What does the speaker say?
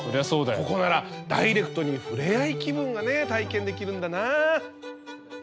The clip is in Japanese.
ここならダイレクトにふれあい気分がね体験できるんだな。